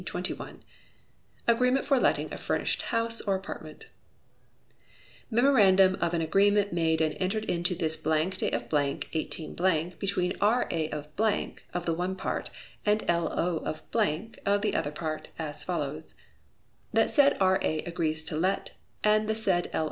Agreement for Letting a Furnished House or Apartment. Memorandum of an agreement made and entered into this day of , 18 , between R.A., of , of the one part, and L.O., of , of the other part, as follows: That the said R.A. agrees to let, and the said L.